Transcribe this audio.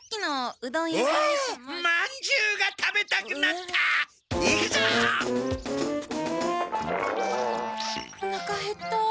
おなかへった。